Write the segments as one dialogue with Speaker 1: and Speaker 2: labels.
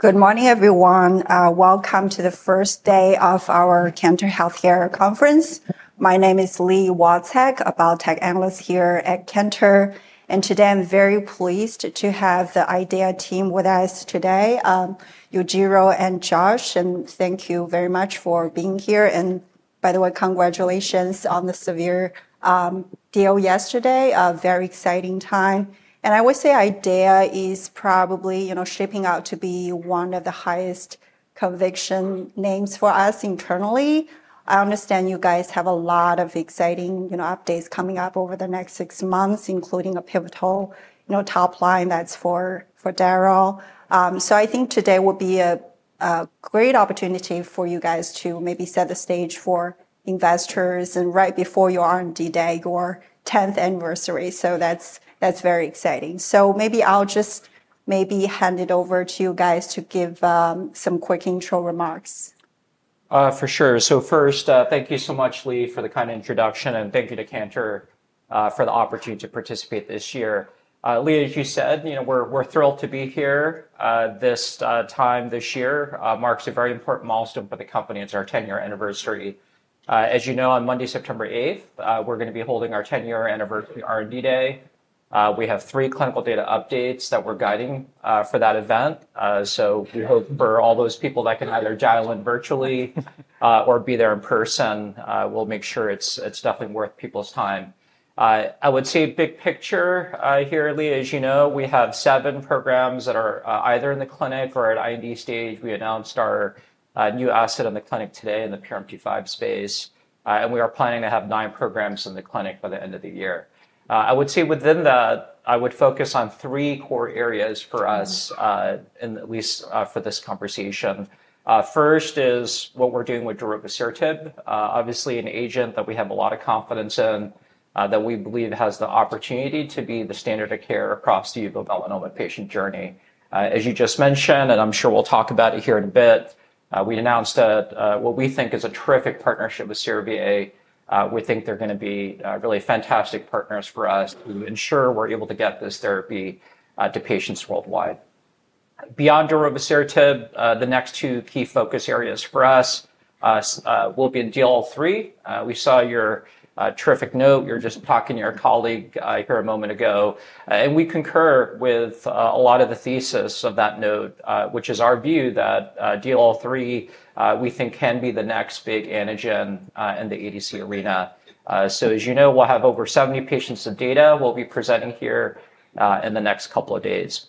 Speaker 1: Good morning, everyone. Welcome to the first day of our Kenter Healthcare Conference. My name is Lee Walczak, a biotech analyst here at Kenter. Today, I'm very pleased to have the IDEAYA team with us today, Yujiro and Josh. Thank you very much for being here. By the way, congratulations on the Sevier deal yesterday. A very exciting time. I would say IDEAYA is probably, you know, shaping up to be one of the highest conviction names for us internally. I understand you guys have a lot of exciting, you know, updates coming up over the next six months, including a pivotal, you know, top line that's for Darovasertib. I think today will be a great opportunity for you guys to maybe set the stage for investors right before your R&D day, your 10th anniversary. That's very exciting. Maybe I'll just hand it over to you guys to give some quick intro remarks.
Speaker 2: For sure. First, thank you so much, Lee, for the kind introduction. Thank you to Kenter for the opportunity to participate this year. Lee, as you said, you know, we're thrilled to be here this time this year. Marks a very important milestone for the company. It's our 10-year anniversary. As you know, on Monday, September 8, we're going to be holding our 10-year anniversary R&D day. We have three clinical data updates that we're guiding for that event. We hope for all those people that can either dial in virtually or be there in person, we'll make sure it's definitely worth people's time. I would say a big picture here, Lee, as you know, we have seven programs that are either in the clinic or at IND stage. We announced our new asset in the clinic today in the PRMT5 space. We are planning to have nine programs in the clinic by the end of the year. I would say within that, I would focus on three core areas for us, and at least for this conversation. First is what we're doing with Darovasertib, obviously an agent that we have a lot of confidence in, that we believe has the opportunity to be the standard of care across the uveal melanoma patient journey. As you just mentioned, and I'm sure we'll talk about it here in a bit, we announced that what we think is a terrific partnership with Servier. We think they're going to be really fantastic partners for us to ensure we're able to get this therapy to patients worldwide. Beyond Darovasertib, the next two key focus areas for us will be in DLL3. We saw your terrific note. You were just talking to your colleague here a moment ago. We concur with a lot of the thesis of that note, which is our view that DLL3, we think, can be the next big antigen in the ADC arena. As you know, we'll have over 70 patients of data we'll be presenting here in the next couple of days.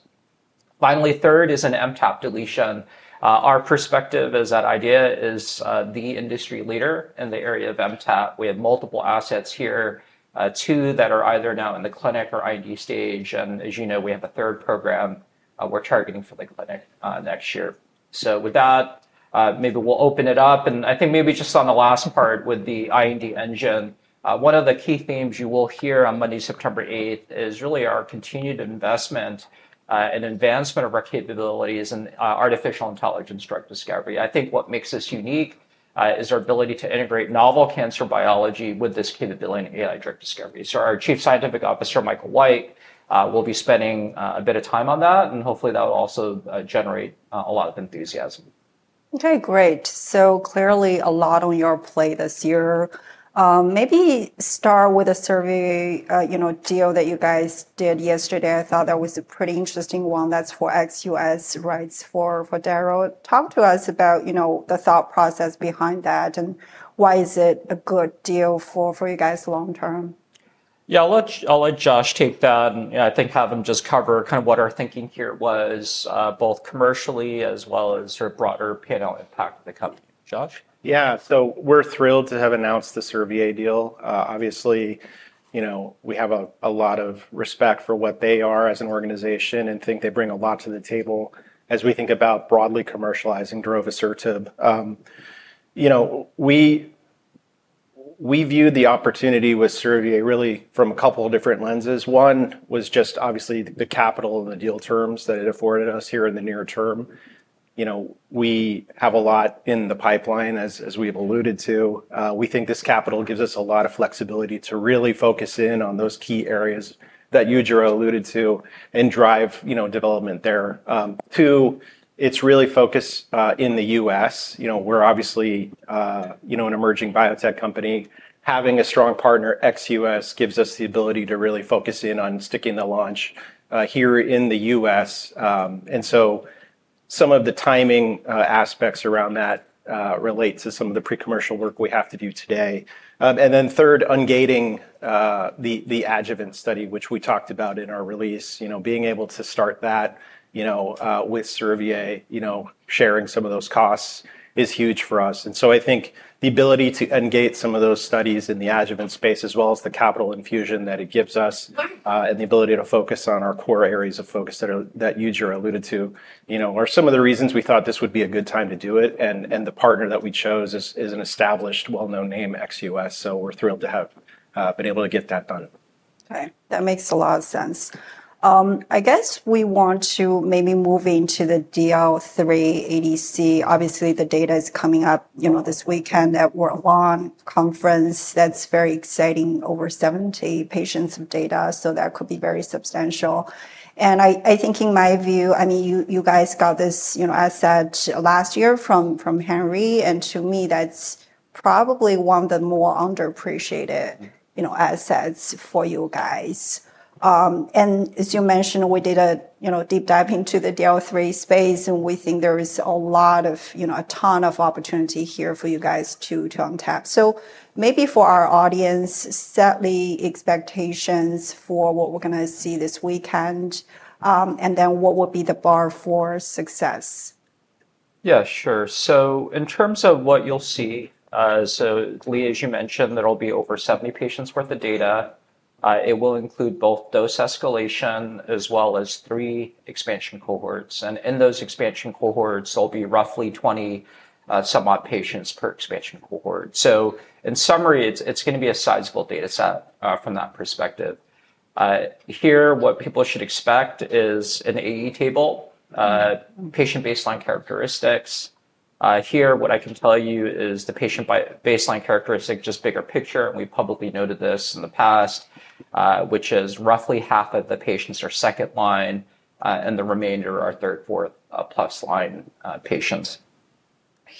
Speaker 2: Finally, third is in MTAP deletion. Our perspective is that IDEAYA is the industry leader in the area of MTAP. We have multiple assets here, two that are either now in the clinic or IND stage. As you know, we have a third program we're targeting for the clinic next year. With that, maybe we'll open it up. I think maybe just on the last part with the IND engine, one of the key themes you will hear on Monday, September 8, is really our continued investment and advancement of our capabilities in artificial intelligence drug discovery. I think what makes us unique is our ability to integrate novel cancer biology with this capability in AI drug discovery. Our Chief Scientific Officer, Michael White, will be spending a bit of time on that. Hopefully, that will also generate a lot of enthusiasm.
Speaker 1: Okay, great. Clearly a lot on your plate this year. Maybe start with a survey, you know, deal that you guys did yesterday. I thought that was a pretty interesting one. That's for ex-U.S., right? It's for Darovasertib. Talk to us about, you know, the thought process behind that. Why is it a good deal for you guys long term?
Speaker 2: I'll let Josh take that. I think have him just cover kind of what our thinking here was, both commercially as well as sort of broader panel impact for the company. Josh?
Speaker 3: Yeah, so we're thrilled to have announced the Servier deal. Obviously, you know, we have a lot of respect for what they are as an organization and think they bring a lot to the table as we think about broadly commercializing Darovasertib. You know, we viewed the opportunity with Servier really from a couple of different lenses. One was just obviously the capital and the deal terms that it afforded us here in the near term. You know, we have a lot in the pipeline, as we've alluded to. We think this capital gives us a lot of flexibility to really focus in on those key areas that Yujiro alluded to and drive development there. Two, it's really focused in the U.S. W e're obviously an emerging biotech company. Having a strong partner, ex-U.S., gives us the ability to really focus in on sticking the launch here in the U.S. Some of the timing aspects around that relate to some of the pre-commercial work we have to do today. Third, ungating the adjuvant study, which we talked about in our release, being able to start that with Servier, sharing some of those costs is huge for us. I think the ability to ungate some of those studies in the adjuvant space, as well as the capital infusion that it gives us, and the ability to focus on our core areas of focus that Yujiro alluded to, are some of the reasons we thought this would be a good time to do it. The partner that we chose is an established, well-known name, ex-U.S. We're thrilled to have been able to get that done.
Speaker 1: OK, that makes a lot of sense. I guess we want to maybe move into the DLL3 ADC. Obviously, the data is coming up this weekend at World Conference on Lung Cancer. That's very exciting, over 70 patients of data. That could be very substantial. In my view, you guys got this asset last year from Henry. To me, that's probably one of the more underappreciated assets for you guys. As you mentioned, we did a deep dive into the DLL3 space. We think there is a lot of opportunity here for you guys to untap. Maybe for our audience, set the expectations for what we're going to see this weekend. What would be the bar for success?
Speaker 2: Yeah, sure. In terms of what you'll see, Lee, as you mentioned, there will be over 70 patients' worth of data. It will include both dose escalation as well as three expansion cohorts. In those expansion cohorts, there will be roughly 20-somewhat patients per expansion cohort. In summary, it's going to be a sizable data set from that perspective. What people should expect is an AE table and patient baseline characteristics. What I can tell you is the patient baseline characteristic, just bigger picture, and we publicly noted this in the past, which is roughly half of the patients are second line and the remainder are third, fourth plus line patients.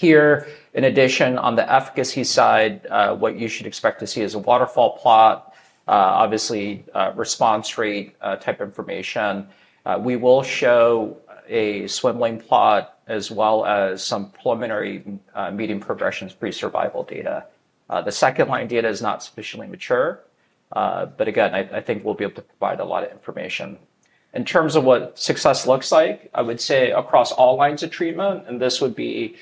Speaker 2: In addition, on the efficacy side, what you should expect to see is a waterfall plot, obviously response rate type information. We will show a swimmer plot as well as some preliminary median progression-free survival data. The second line data is not sufficiently mature. I think we'll be able to provide a lot of information. In terms of what success looks like, I would say across all lines of treatment, and this would be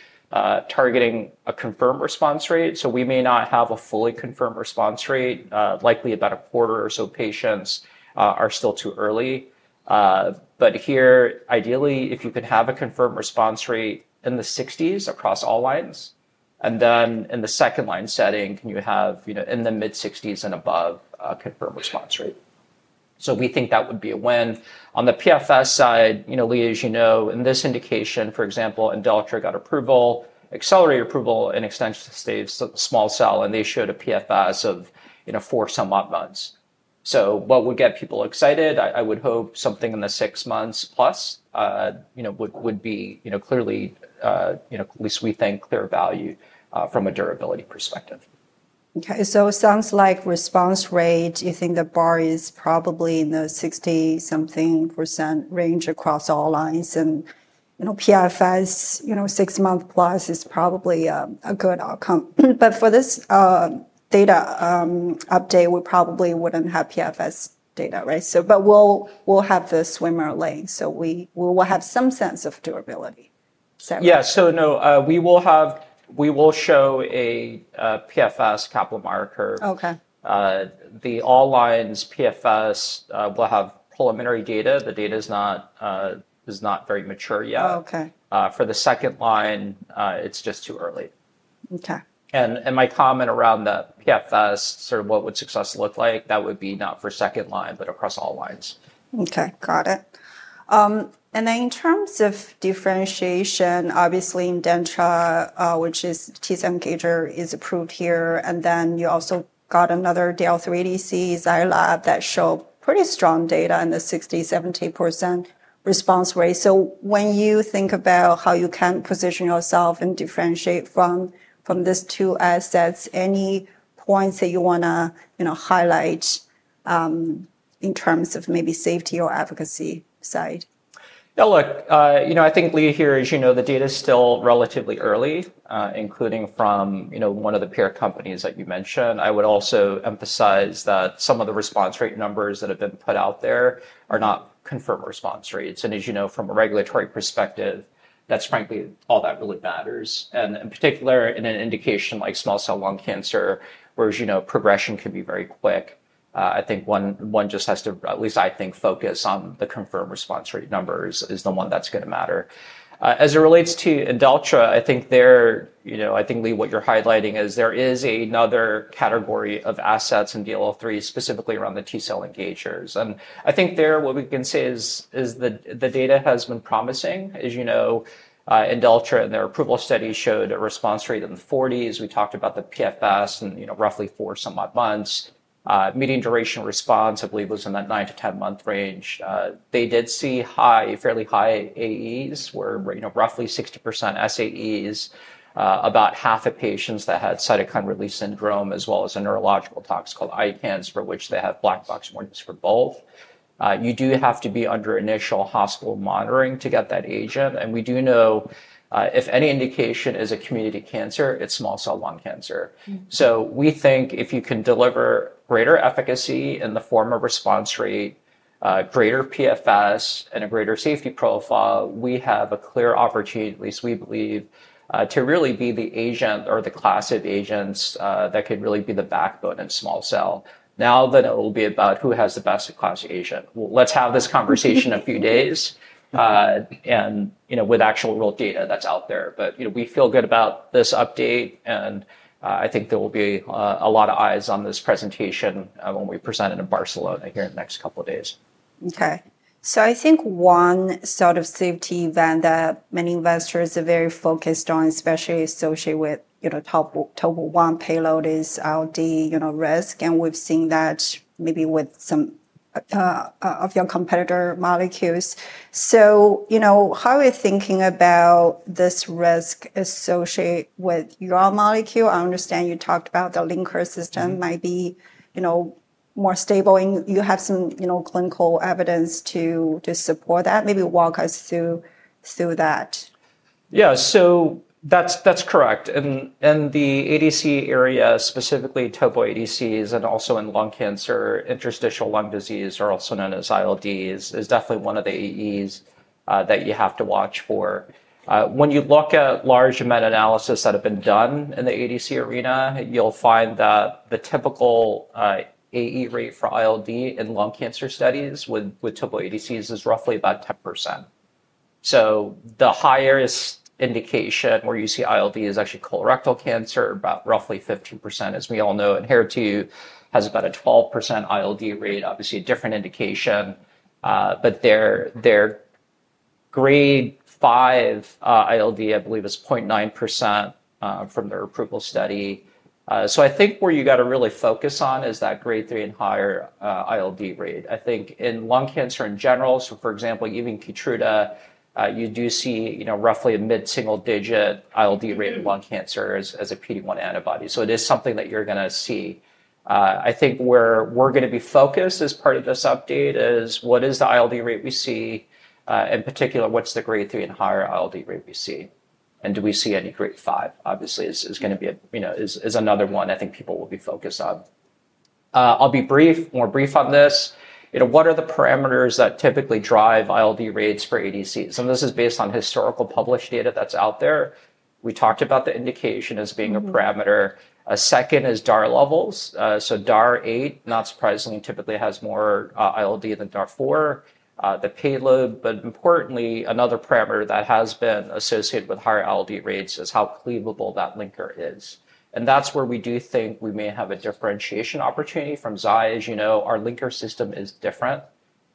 Speaker 2: targeting a confirmed response rate. We may not have a fully confirmed response rate, likely about a quarter or so patients are still too early. Ideally, if you could have a confirmed response rate in the 60% range across all lines, and then in the second line setting, can you have, you know, in the mid 60% and above a confirmed response rate. We think that would be a win. On the PFS side, Lee, as you know, in this indication, for example, IMDELLTRA got approval, accelerated approval in extension stage small cell, and they showed a PFS of four-somewhat months. What would get people excited, I would hope something in the 6 months+, would be clearly, at least we think, clear value from a durability perspective.
Speaker 1: OK, it sounds like response rate, you think the bar is probably in the 60% range across all lines. PFS, 6 months+ is probably a good outcome. For this data update, we probably wouldn't have PFS data, right? We'll have the swimmer lane, so we will have some sense of durability.
Speaker 2: No, we will show a PFS Kaplan-Meierkay.
Speaker 1: Okay.
Speaker 2: The all lines PFS will have preliminary data. The data is not very mature yet.
Speaker 1: Okay.
Speaker 2: For the second line, it's just too early.
Speaker 1: Okay.
Speaker 2: My comment around that PFS, sort of what would success look like, that would be not for second line, but across all lines.
Speaker 1: OK, got it. In terms of differentiation, obviously IMDELLTRA, which is TCMK, is approved here. You also got another DLL3 ADC, Zyla, that showed pretty strong data in the 60%-70% response rate. When you think about how you can position yourself and differentiate from these two assets, any points that you want to highlight in terms of maybe safety or efficacy side?
Speaker 2: Yeah, look, you know, I think Lee, here, as you know, the data is still relatively early, including from, you know, one of the peer companies that you mentioned. I would also emphasize that some of the response rate numbers that have been put out there are not confirmed response rates. As you know, from a regulatory perspective, that's frankly all that really matters. In particular, in an indication like small cell lung cancer, where, as you know, progression can be very quick, I think one just has to, at least I think, focus on the confirmed response rate numbers as the one that's going to matter. As it relates to IMDELLTRA, I think there, you know, I think Lee, what you're highlighting is there is another category of assets in DLL3, specifically around the T-cell engagers. I think there, what we can say is the data has been promising. As you know, IMDELLTRA and their approval study showed a response rate in the 40s. We talked about the PFS and, you know, roughly four-somewhat months. Median duration response, I believe, was in that 9- 10 month range. They did see high, fairly high AEs, where, you know, roughly 60% SAEs, about half of patients that had cytokine-release syndrome, as well as a neurological tox called IPANS, for which they have black box warnings for both. You do have to be under initial hospital monitoring to get that agent. We do know if any indication is a community cancer, it's small cell lung cancer. We think if you can deliver greater efficacy in the form of response rate, greater PFS, and a greater safety profile, we have a clear opportunity, at least we believe, to really be the agent or the class of agents that could really be the backbone in small cell. Now, it will be about who has the best class of agent. Let's have this conversation in a few days, you know, with actual world data that's out there. You know, we feel good about this update. I think there will be a lot of eyes on this presentation when we present it in Barcelona here in the next couple of days.
Speaker 1: I think one sort of safety event that many investors are very focused on, especially associated with TOP1 payload, is LD, you know, risk. We've seen that maybe with some of your competitor molecules. How are you thinking about this risk associated with your molecule? I understand you talked about the linker system might be, you know, more stable, and you have some, you know, clinical evidence to support that. Maybe walk us through that.
Speaker 2: Yeah, so that's correct. In the ADC area, specifically TOP1 ADCs, and also in lung cancer, interstitial lung disease, or also known as ILDs, is definitely one of the AEs that you have to watch for. When you look at large meta-analyses that have been done in the ADC arena, you'll find that the typical AE rate for ILD in lung cancer studies with TOP1 ADCs is roughly about 10%. The highest indication where you see ILD is actually colorectal cancer, about roughly 15%. As we all know, Enhertu has about a 12% ILD rate, obviously a different indication. Their grade 5 ILD, I believe, is 0.9% from their approval study. Where you really have to focus is that grade 3 and higher ILD rate. In lung cancer in general, for example, even Keytruda, you do see roughly a mid-single-digit ILD rate in lung cancer as a PD-1 antibody. It is something that you're going to see. Where we're going to be focused as part of this update is what is the ILD rate we see, in particular, what's the grade 3 and higher ILD rate we see. Do we see any grade 5? Obviously, that is another one I think people will be focused on. I'll be more brief on this. What are the parameters that typically drive ILD rates for ADCs? This is based on historical published data that's out there. We talked about the indication as being a parameter. A second is DAR levels. DAR-8, not surprisingly, typically has more ILD than DAR-4, the payload. Importantly, another parameter that has been associated with higher ILD rates is how cleavable that linker is. That's where we do think we may have a differentiation opportunity from Zye. Our linker system is different.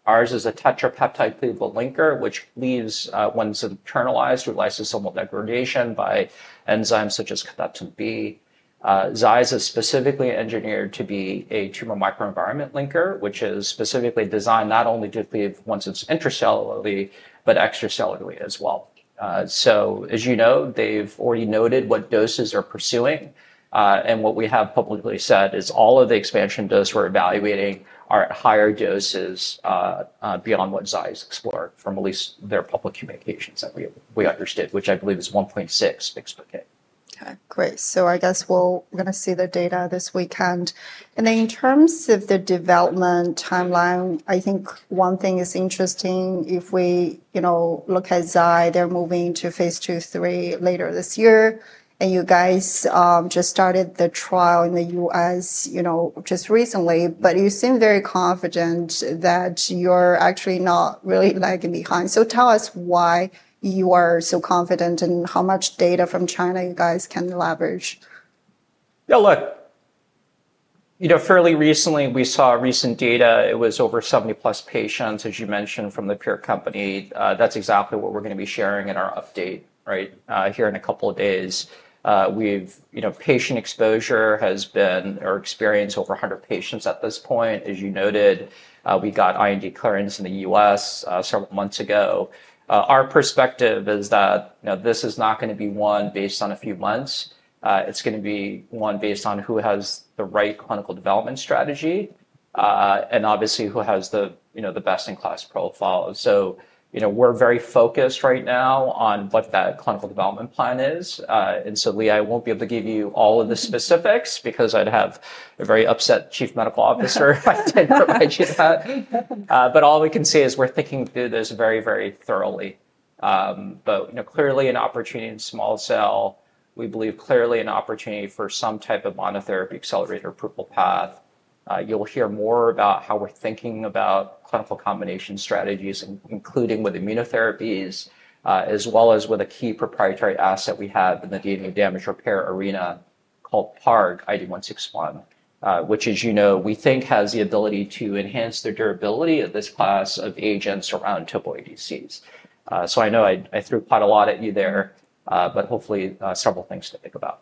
Speaker 2: Ours is a tetrapeptide cleavable linker, which cleaves once it's internalized with lysosomal degradation by enzymes such as Cathepsin B. Zye is specifically engineered to be a tumor microenvironment linker, which is specifically designed not only to cleave once it's intracellularly, but extracellularly as well. They've already noted what doses they're pursuing. What we have publicly said is all of the expansion doses we're evaluating are at higher doses beyond what Zye explored from at least their public communications that we understood, which I believe is 1.6 fixed bucket.
Speaker 1: OK, great. I guess we're going to see the data this weekend. In terms of the development timeline, I think one thing is interesting. If we, you know, look at Zye, they're moving to phase two-three later this year. You guys just started the trial in the U.S. just recently. You seem very confident that you're actually not really lagging behind. Tell us why you are so confident and how much data from China you guys can leverage.
Speaker 2: Yeah, look, you know, fairly recently, we saw recent data. It was over 70+ patients, as you mentioned, from the peer company. That's exactly what we're going to be sharing in our update right here in a couple of days. Patient exposure has been or experienced over 100 patients at this point. As you noted, we got IND clearance in the U.S. several months ago. Our perspective is that this is not going to be one based on a few months. It's going to be one based on who has the right clinical development strategy. Obviously, who has the best-in-class profile. We're very focused right now on what that clinical development plan is. Lee, I won't be able to give you all of the specifics because I'd have a very upset Chief Medical Officer if I provide you that. All we can say is we're thinking through this very, very thoroughly. Clearly an opportunity in small cell. We believe clearly an opportunity for some type of monotherapy accelerator approval path. You'll hear more about how we're thinking about clinical combination strategies, including with immunotherapies, as well as with a key proprietary asset we have in the DNA damage repair arena called PARG ID161, which, as you know, we think has the ability to enhance the durability of this class of agents around TOP1 ADCs. I know I threw quite a lot at you there. Hopefully, several things to think about.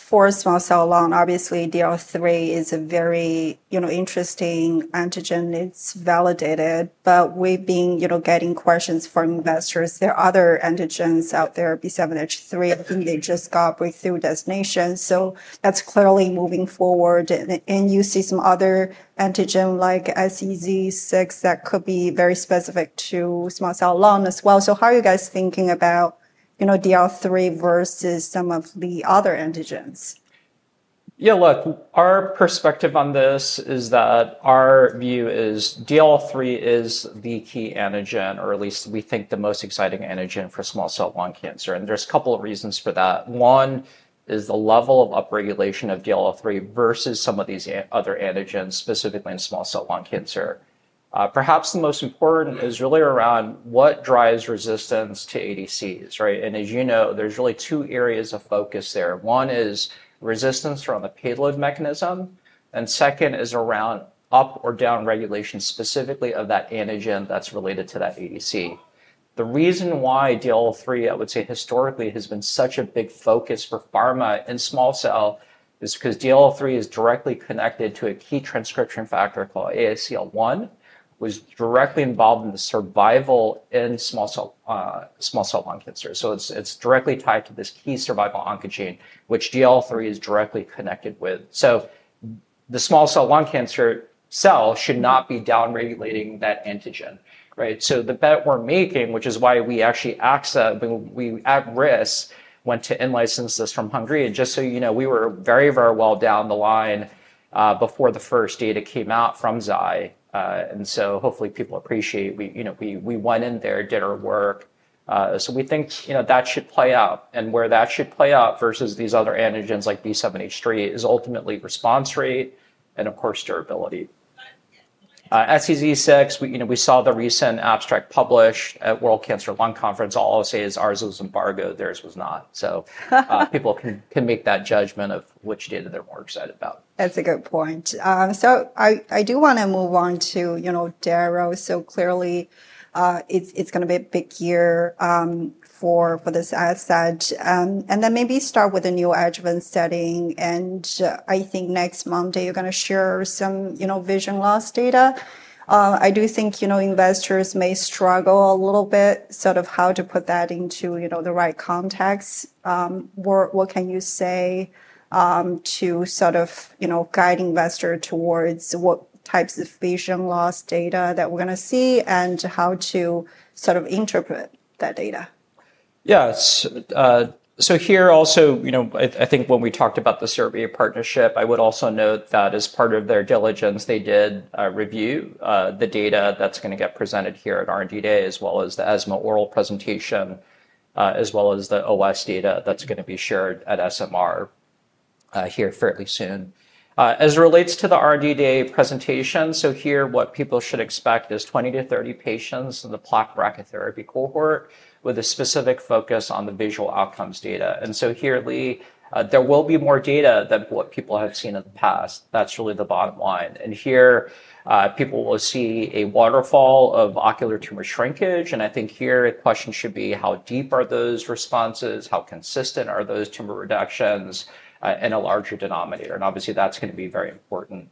Speaker 1: For small cell lung, obviously, DLL3 is a very interesting antigen. It's validated. We've been getting questions from investors. There are other antigens out there, B7H3. I think they just got breakthrough designation. That's clearly moving forward. You see some other antigens like SEZ6 that could be very specific to small cell lung as well. How are you guys thinking about DLL3 versus some of the other antigens?
Speaker 2: Yeah, look, our perspective on this is that our view is DLL3 is the key antigen, or at least we think the most exciting antigen for small cell lung cancer. There are a couple of reasons for that. One is the level of upregulation of DLL3 versus some of these other antigens, specifically in small cell lung cancer. Perhaps the most important is really around what drives resistance to ADCs, right? As you know, there are really two areas of focus there. One is resistance around the payload mechanism. Second is around up or down regulation, specifically of that antigen that's related to that ADC. The reason why DLL3, I would say, historically has been such a big focus for pharma in small cell is because DLL3 is directly connected to a key transcription factor called ASCL1, which is directly involved in the survival in small cell lung cancer. It's directly tied to this key survival oncogene, which DLL3 is directly connected with. The small cell lung cancer cell should not be downregulating that antigen, right? The bet we're making, which is why we actually accessed, I mean, we at risk went to in-license this from Hungary. Just so you know, we were very, very well down the line before the first data came out from Zye. Hopefully, people appreciate we went in there, did our work. We think that should play out. Where that should play out versus these other antigens like B7-H3 is ultimately response rate and, of course, durability. SEZ6, we saw the recent abstract published at World Conference on Lung Cancer in Barcelona. All I'll say is ours was embargoed. Theirs was not. People can make that judgment of which data they're more excited about.
Speaker 1: That's a good point. I do want to move on to Darovasertib. Clearly, it's going to be a big year for this asset. Maybe start with the neoadjuvant setting. I think next Monday, you're going to share some vision loss data. I do think investors may struggle a little bit with how to put that into the right context. What can you say to guide investors towards what types of vision loss data we're going to see and how to interpret that data?
Speaker 2: Yes. Here also, when we talked about the Servier partnership, I would also note that as part of their diligence, they did review the data that's going to get presented here at R&D Day, as well as the ESMO oral presentation, as well as the OS data that's going to be shared at SMR here fairly soon. As it relates to the R&D Day presentation, what people should expect is 20- 30 patients in the plaque brachytherapy cohort with a specific focus on the visual outcomes data. Here, Lee, there will be more data than what people have seen in the past. That's really the bottom line. People will see a waterfall of ocular tumor shrinkage. I think a question should be how deep are those responses? How consistent are those tumor reductions in a larger denominator? Obviously, that's going to be very important.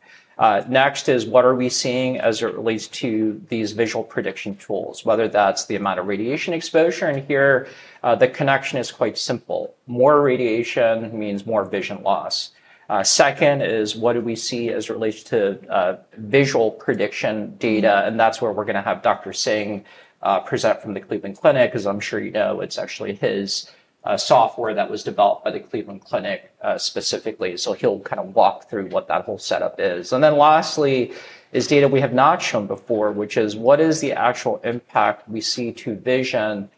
Speaker 2: Next is what are we seeing as it relates to these visual prediction tools, whether that's the amount of radiation exposure. The connection is quite simple. More radiation means more vision loss. Second is what do we see as it relates to visual prediction data. That's where we're going to have Dr. Singh present from the Cleveland Clinic. As I'm sure you know, it's actually his software that was developed by the Cleveland Clinic specifically. He'll kind of walk through what that whole setup is. Lastly is data we have not shown before, which is what is the actual impact we see to vision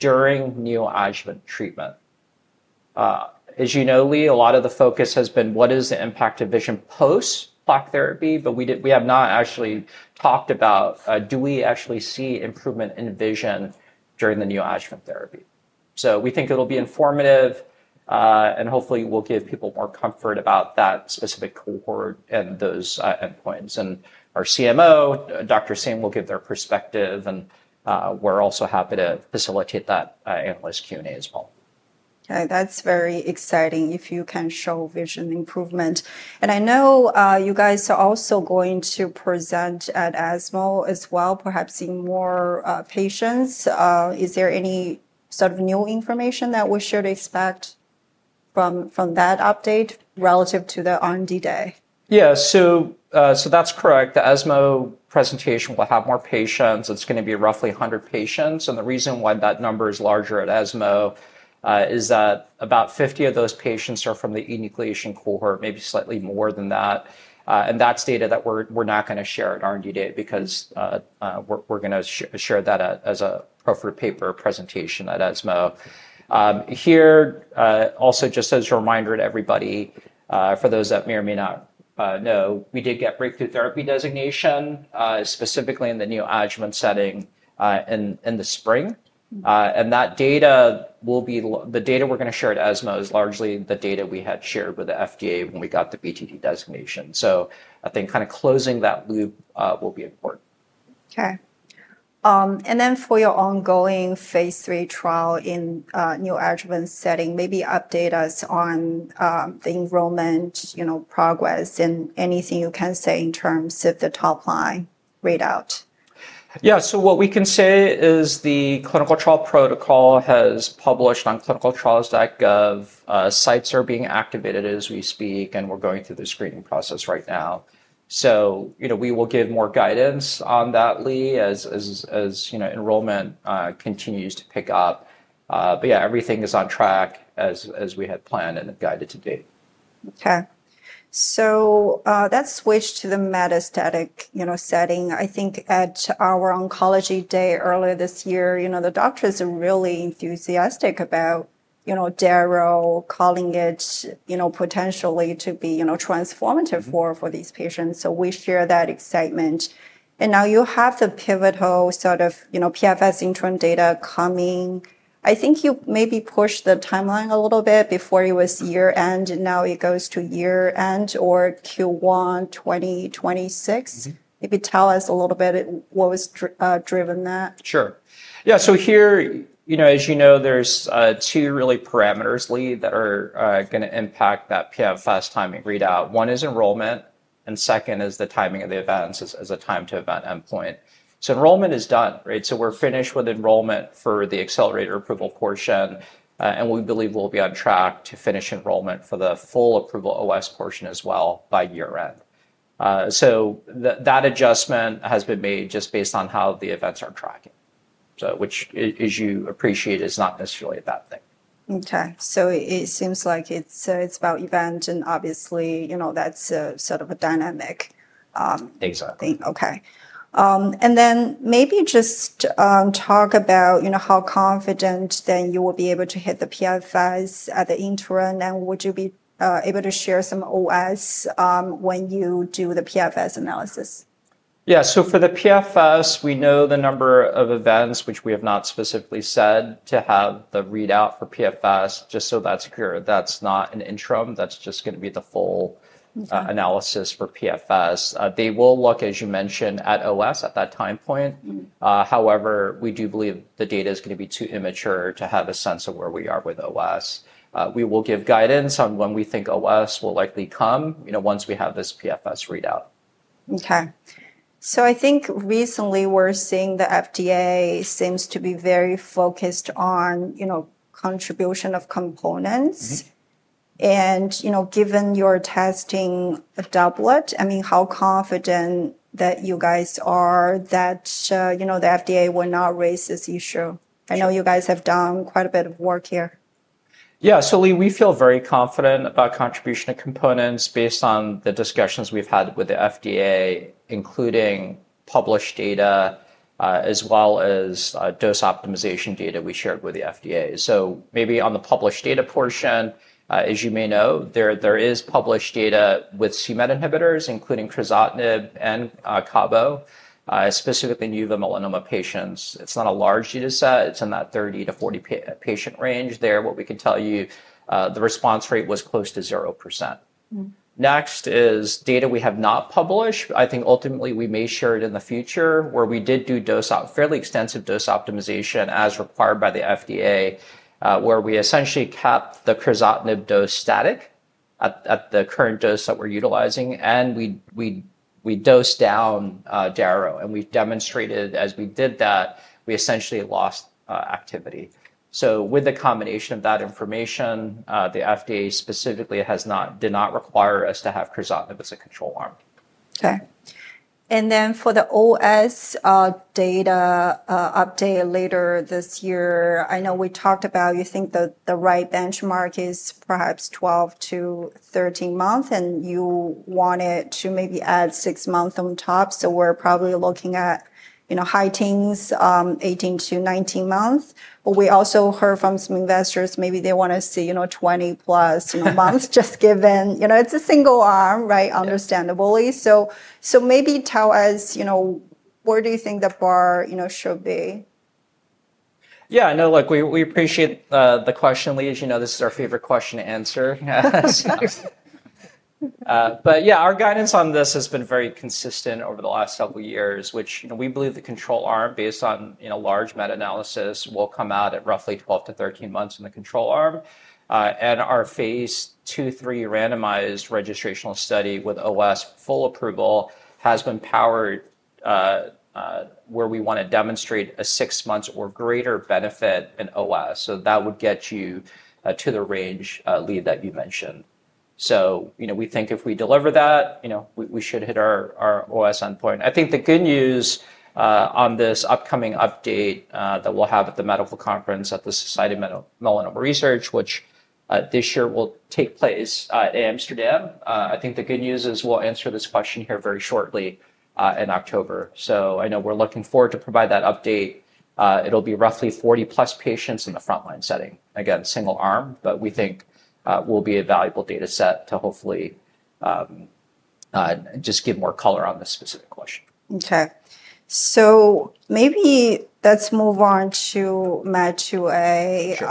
Speaker 2: during neoadjuvant treatment. As you know, Lee, a lot of the focus has been what is the impact of vision post plaque therapy. We have not actually talked about do we actually see improvement in vision during the neoadjuvant therapy. We think it'll be informative and hopefully will give people more comfort about that specific cohort and those endpoints. Our CMO, Dr. Singh, will give their perspective. We're also happy to facilitate that analyst Q&A as well.
Speaker 1: That's very exciting if you can show vision improvement. I know you guys are also going to present at ESMO as well, perhaps seeing more patients. Is there any sort of new information that we should expect from that update relative to the R&D day?
Speaker 2: Yeah, that's correct. The ESMO presentation will have more patients. It's going to be roughly 100 patients. The reason why that number is larger at ESMO is that about 50 of those patients are from the enucleation cohort, maybe slightly more than that. That's data that we're not going to share at R&D Day because we're going to share that as a proffered paper presentation at ESMAO. Also, just as a reminder to everybody, for those that may or may not know, we did get breakthrough therapy designation specifically in the neoadjuvant setting in the spring. That data will be the data we're going to share at ESMO, which is largely the data we had shared with the FDA when we got the BTD designation. I think closing that loop will be important.
Speaker 1: For your ongoing phase three trial in the neoadjuvant setting, maybe update us on the enrollment progress and anything you can say in terms of the top line readout.
Speaker 2: What we can say is the clinical trial protocol has published on clinicaltrials.gov. Sites are being activated as we speak, and we're going through the screening process right now. We will give more guidance on that, Lee, as enrollment continues to pick up. Everything is on track as we had planned and have guided to date.
Speaker 1: Okay. Let's switch to the metastatic setting. I think at our oncology day earlier this year, the doctors are really enthusiastic about Darovasertib, calling it potentially to be transformative for these patients. We share that excitement. Now you have the pivotal sort of PFS interim data coming. I think you maybe pushed the timeline a little bit. Before it was year-end, and now it goes to year-end or Q1 2026. Maybe tell us a little bit what was driven that.
Speaker 2: Sure. As you know, there are two parameters, Lee, that are going to impact that PFS timing readout. One is enrollment, and second is the timing of the events as a time-to-event endpoint. Enrollment is done, right? We're finished with enrollment for the accelerated approval portion, and we believe we'll be on track to finish enrollment for the full approval OS portion as well by year-end. That adjustment has been made just based on how the events are tracking, which, as you appreciate, is not necessarily a bad thing.
Speaker 1: It seems like it's about events. Obviously, you know, that's sort of a dynamic thing. OK. Maybe just talk about, you know, how confident then you will be able to hit the PFS at the interim. Would you be able to share some OS when you do the PFS analysis?
Speaker 2: Yeah, for the PFS, we know the number of events, which we have not specifically said to have the readout for PFS, just so that's clear. That's not an interim. That's just going to be the full analysis for PFS. They will look, as you mentioned, at OS at that time point. However, we do believe the data is going to be too immature to have a sense of where we are with OS. We will give guidance on when we think OS will likely come, you know, once we have this PFS readout.
Speaker 1: I think recently we're seeing the FDA seems to be very focused on contribution of components. Given your testing doublet, how confident that you guys are that the FDA will not raise this issue? I know you guys have done quite a bit of work here.
Speaker 2: Yeah, Lee, we feel very confident about contribution of components based on the discussions we've had with the FDA, including published data, as well as dose optimization data we shared with the FDA. On the published data portion, as you may know, there is published data with c-MET inhibitors, including crizotinib and cabo, specifically in uveal melanoma patients. It's not a large data set. It's in that 30 - 40 patient range. What we can tell you, the response rate was close to 0%. Next is data we have not published. I think ultimately, we may share it in the future, where we did do fairly extensive dose optimization as required by the FDA, where we essentially kept the crizotinib dose static at the current dose that we're utilizing. We dosed down Daro, and we demonstrated as we did that, we essentially lost activity. With the combination of that information, the FDA specifically did not require us to have crizotinib as a control arm.
Speaker 1: Okay. For the OS data update later this year, I know we talked about you think the right benchmark is perhaps 12- 13 months. You wanted to maybe add six months on top. We're probably looking at, you know, high teens, 18- 19 months. We also heard from some investors, maybe they want to see, you know, 20+ months, just given, you know, it's a single arm, right, understandably. Maybe tell us, you know, where do you think the bar, you know, should be?
Speaker 2: Yeah, I know, look, we appreciate the question, Lee. As you know, this is our favorite question to answer. Our guidance on this has been very consistent over the last several years, which, you know, we believe the control arm, based on, you know, large meta-analysis, will come out at roughly 12-1 3 months in the control arm. Our phase two-three randomized registrational study with OS full approval has been powered where we want to demonstrate a six months or greater benefit in OS. That would get you to the range, Lee, that you mentioned. We think if we deliver that, you know, we should hit our OS endpoint. I think the good news on this upcoming update that we'll have at the medical conference at the Society of Melanoma Research, which this year will take place in Amsterdam, I think the good news is we'll answer this question here very shortly in October. I know we're looking forward to provide that update. It'll be roughly 40+ patients in the frontline setting. Again, single arm, but we think will be a valuable data set to hopefully just give more color on this specific question.
Speaker 1: OK. Maybe let's move on to MAT2A.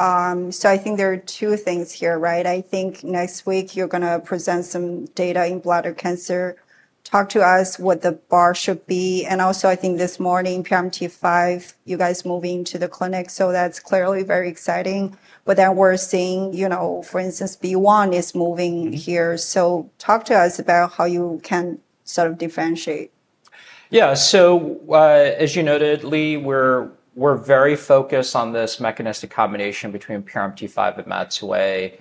Speaker 1: I think there are two things here, right? I think next week, you're going to present some data in bladder cancer. Talk to us what the bar should be. Also, I think this morning, PRMT5, you guys moving to the clinic. That's clearly very exciting. We're seeing, for instance, B1 is moving here. Talk to us about how you can sort of differentiate.
Speaker 2: Yeah, as you noted, Lee, we're very focused on this mechanistic combination between PRMT5 and MAT2A.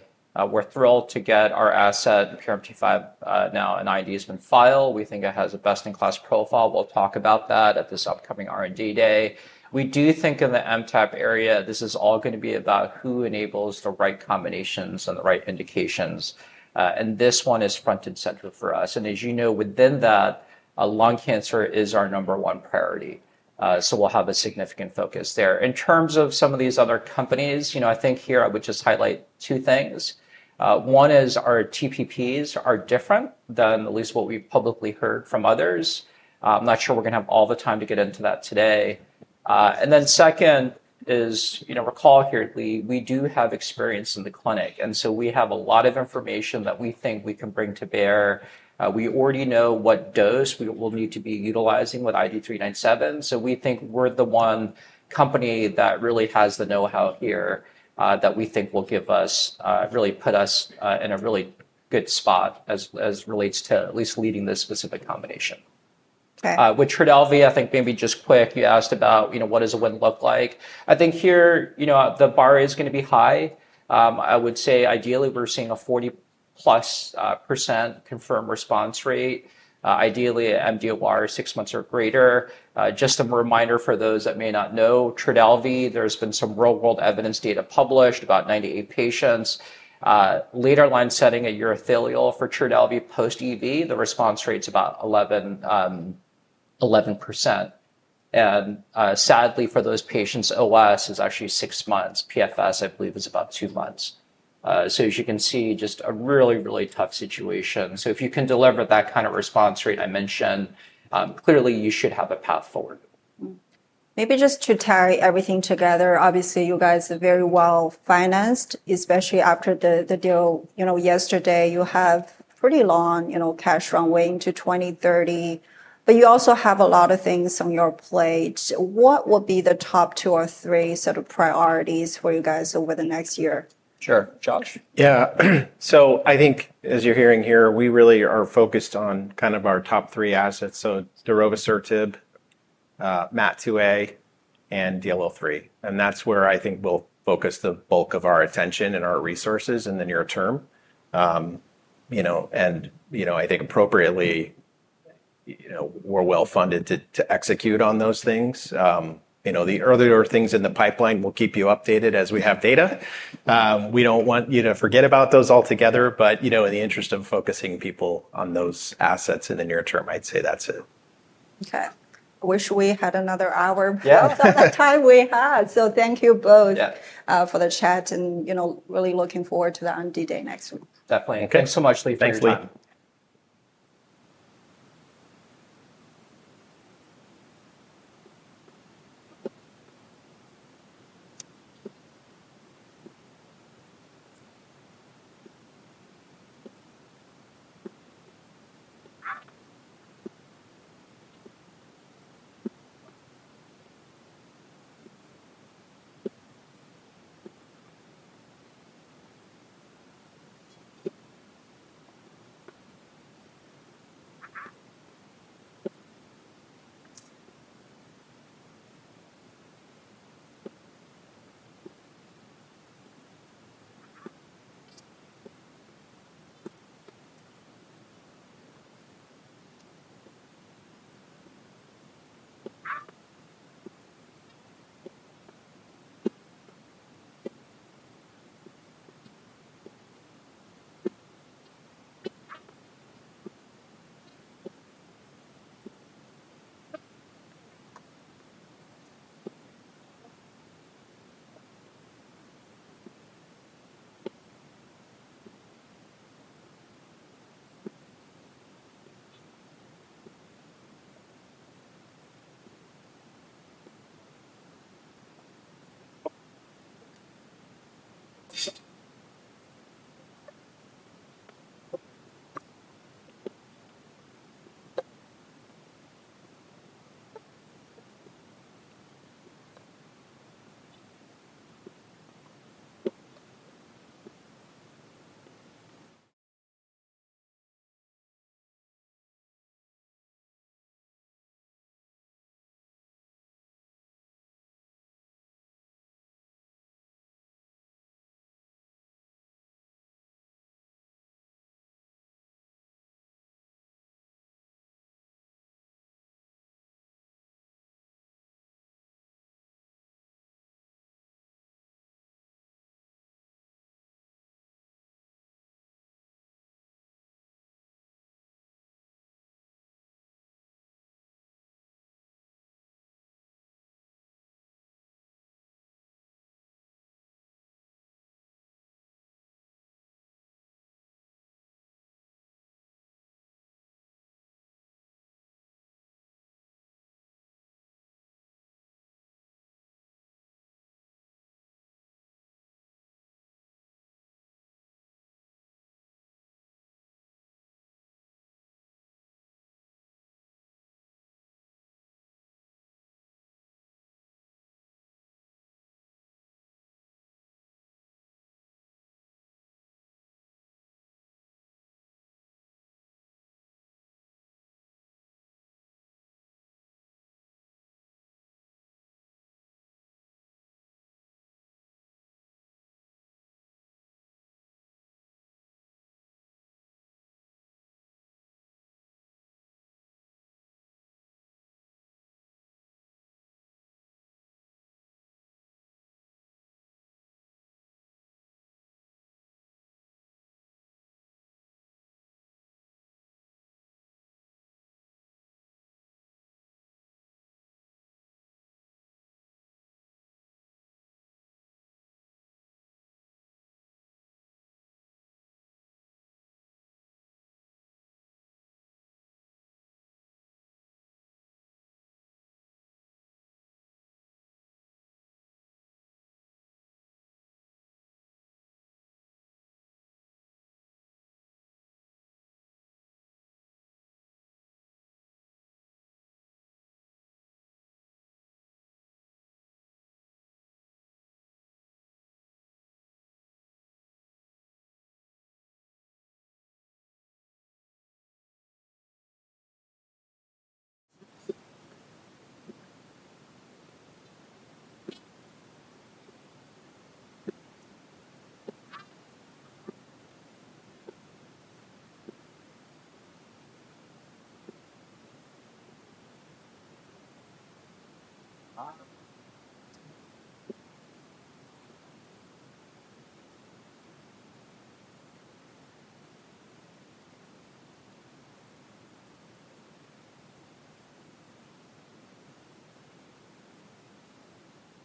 Speaker 2: We're thrilled to get our asset, the PRMT5, now an IND has been filed. We think it has a best-in-class profile. We'll talk about that at this upcoming R&D day. We do think in the MTAP area, this is all going to be about who enables the right combinations and the right indications. This one is front and center for us. As you know, within that, lung cancer is our number one priority, so we'll have a significant focus there. In terms of some of these other companies, I would just highlight two things. One is our TPPs are different than at least what we've publicly heard from others. I'm not sure we're going to have all the time to get into that today. Second is, recall here, Lee, we do have experience in the clinic, so we have a lot of information that we think we can bring to bear. We already know what dose we will need to be utilizing with ID397. We think we're the one company that really has the know-how here that we think will give us, really put us in a really good spot as it relates to at least leading this specific combination. With Trodelvy, I think maybe just quick, you asked about, you know, what does a win look like? I think here, you know, the bar is going to be high. I would say ideally, we're seeing a 40+% confirmed response rate. Ideally, median duration of response is six months or greater. Just a reminder for those that may not know, Trodelvy, there's been some real-world evidence data published about 98 patients. Later line setting at urothelial for Trodelvy post EV, the response rate is about 11%. For those patients, overall survival is actually six months. Progression-free survival, I believe, is about two months. As you can see, just a really, really tough situation. If you can deliver that kind of response rate I mentioned, clearly, you should have a path forward.
Speaker 1: Maybe just to tie everything together, obviously, you guys are very well financed, especially after the deal yesterday. You have pretty long cash runway into 2030. You also have a lot of things on your plate. What would be the top two or three sort of priorities for you guys over the next year?
Speaker 2: Sure. Josh.
Speaker 3: I think, as you're hearing here, we really are focused on kind of our top three assets. So Darovasertib, MAT2A, and DLL3. That's where I think we'll focus the bulk of our attention and our resources in the near term. I think appropriately, we're well funded to execute on those things. The earlier things in the pipeline, we'll keep you updated as we have data. We don't want you to forget about those altogether. In the interest of focusing people on those assets in the near term, I'd say that's it.
Speaker 1: Okay. I wish we had another hour.
Speaker 2: Yeah.
Speaker 1: Thank you both for the chat. I am really looking forward to the R&D day next week.
Speaker 2: Definitely. Thank you so much,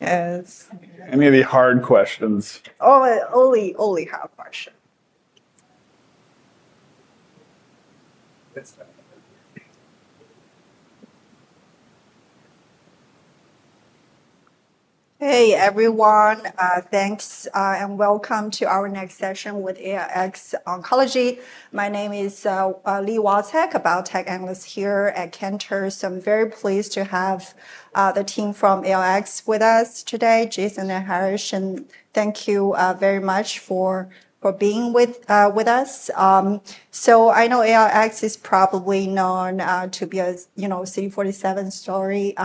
Speaker 2: Lee. Thank you, Josh.
Speaker 1: Yes.
Speaker 3: Maybe hard questions.
Speaker 1: Only hard questions. Hey, everyone. Thanks and welcome to our next session with IDEAYA Biosciences. My name is Lee Walczak, a biotech analyst here at Kenter. I'm very pleased to have the team from IDEAYA with us today, Jason and Harrison. Thank you very much for being with us. IDEAYA is probably known to be a C-47 story.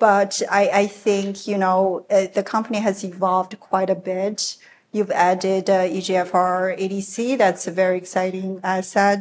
Speaker 1: I think the company has evolved quite a bit. You've added EGFR ADC. That's a very exciting asset.